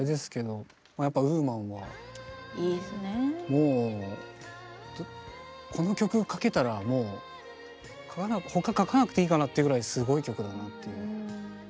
もうこの曲書けたらもう他書かなくていいかなっていうぐらいすごい曲だなっていう。